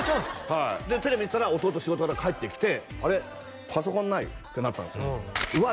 はいでテレビ見てたら弟仕事から帰ってきて「あれ？パソコンない」ってなったんですようわ